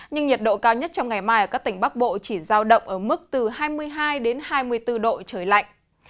nhưng nhiệt độ cao nhất trong ngày mai ở các tỉnh bắc bộ chỉ giao động ở mức từ hai mươi hai đến hai mươi bốn độ trời lạnh